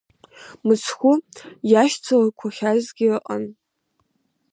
Мыцхәы иашьцылақәахьазгьы ыҟан.